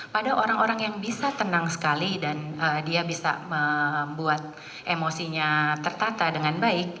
pada orang orang yang bisa tenang sekali dan dia bisa membuat emosinya tertata dengan baik